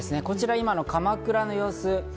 こちら、今の鎌倉の様子。